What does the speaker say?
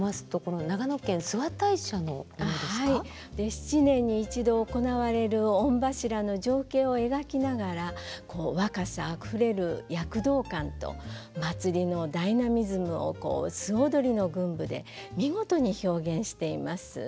７年に１度行われる御柱の情景を描きながらこう若さあふれる躍動感と祭りのダイナミズムをこう素踊りの群舞で見事に表現しています。